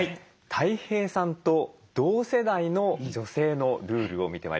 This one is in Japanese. たい平さんと同世代の女性のルールを見てまいります。